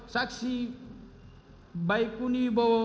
saksi baikuni ibowo